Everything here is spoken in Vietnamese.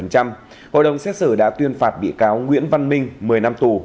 hội đồng xét xử đã tuyên phạt bị cáo nguyễn văn minh một mươi năm tù